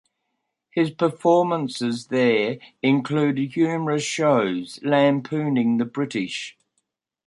His performances there included humorous shows lampooning the British.